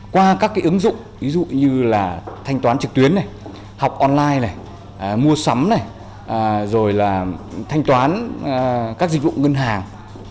qua các ứng dụng như thanh toán trực tuyến học online mua sắm thanh toán các dịch vụ ngân hàng